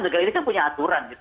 negara ini kan punya aturan gitu